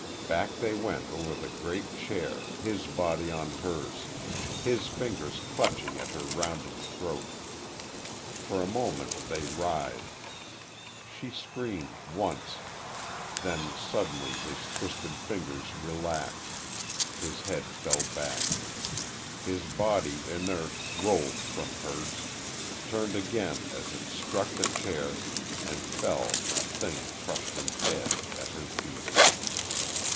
Back they went over the great chair, his body on hers, his fingers clutching at her rounded throat. For a moment, they writhed. She screamed, once.... Then, suddenly, his twisted fingers relaxed.... His head fell back. His body, inert, rolled from hers, turned again as it struck the chair, and fell, a thing crushed and dead, at her feet....